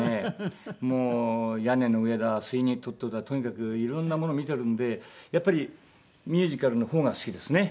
もう『屋根の上』だ『スウィーニー・トッド』だとにかくいろんなものを見てるんでやっぱりミュージカルの方が好きですね。